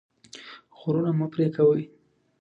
غرونه مه پرې کوئ.